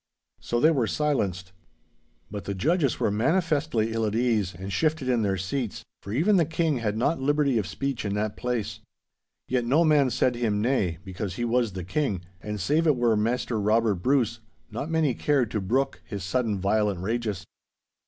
So they were silenced. But the judges were manifestly ill at ease, and shifted in their seats—for even the King had not liberty of speech in that place. Yet no man said him nay, because he was the King, and, save it were Maister Robert Bruce, not many cared to brook his sudden violent rages.